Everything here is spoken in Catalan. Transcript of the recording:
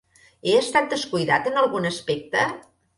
He estat descuidat en algun aspecte?